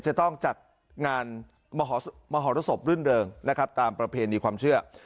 จะต้องจัดงานมหรสบรื่นเริงนะครับตามประเพณีความเชื่อ